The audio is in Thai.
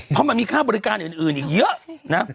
เพราะมันมีค่าบริการอื่นอีกเยอะนะ